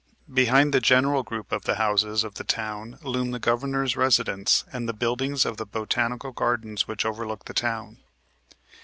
Behind the general group of the houses of the town loom the Governor's residence and the buildings of the botanical gardens which overlook the town.